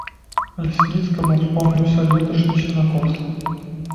Лясніцкаму ўспомніўся леташні сенакос.